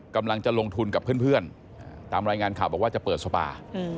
กำลังจะลงทุนกับเพื่อนตามรายงานข่าวบอกว่าจะเปิดสปา